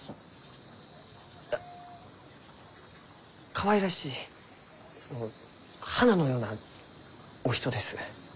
あかわいらしいその花のようなお人です。